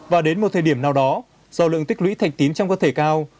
và đến một thời điểm nào đó do lượng tích lũy thành tín trong cơ thể cao